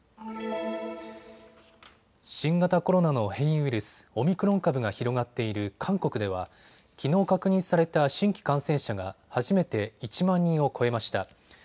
新型コロナの変異ウイルス、オミクロン株が広がっている韓国ではきのう確認された新規感染者が初めて１万人を超えました。